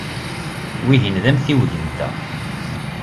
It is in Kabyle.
Wihin d amtiweg-nteɣ.